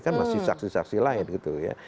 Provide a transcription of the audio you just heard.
kan masih saksi saksi lain gitu ya